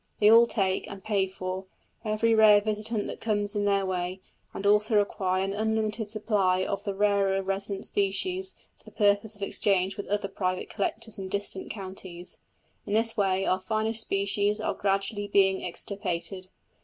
They all take, and pay for, every rare visitant that comes in their way, and also require an unlimited supply of the rarer resident species for the purpose of exchange with other private collectors in distant counties. In this way our finest species are gradually being extirpated.